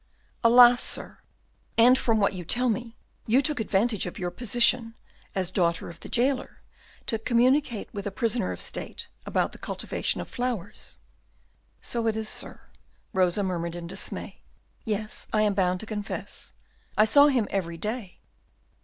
"Alas! sir." "And from what you tell me you took advantage of your position, as daughter of the jailer, to communicate with a prisoner of state about the cultivation of flowers." "So it is, sir," Rosa murmured in dismay; "yes, I am bound to confess, I saw him every day."